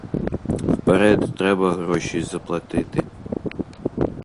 Вперед треба гроші заплатити.